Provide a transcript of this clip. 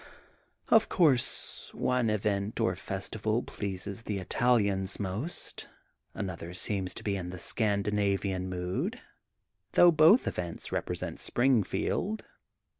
''Of coarse, one event or festival pleases the Italians most, another seems to be in the Scandanavian mood, though both events rep resent Springfield.